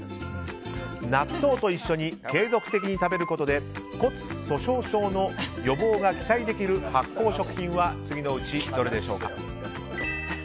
納豆と一緒に継続的に食べることで骨粗しょう症の予防が期待できる発酵食品は次のうち、どれでしょうか。